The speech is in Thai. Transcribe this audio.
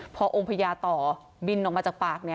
พอโอมพ่ายัตราบินออกมาจากปากนี้